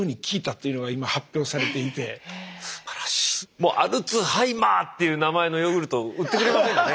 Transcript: もう「アルツハイマー」っていう名前のヨーグルトを売ってくれませんかね。